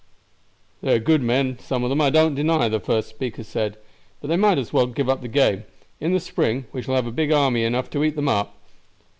"They are good men, some of them, I don't deny," the first speaker said; "but they might as well give up the game. In the spring we shall have an army big enough to eat them up."